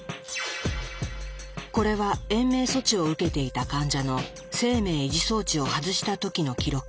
これは延命措置を受けていた患者の生命維持装置を外した時の記録。